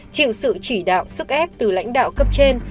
chịu sự chỉ đạo sức ép từ lãnh đạo cấp trên